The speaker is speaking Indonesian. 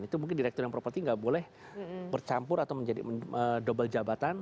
itu mungkin direktur yang properti nggak boleh bercampur atau menjadi double jabatan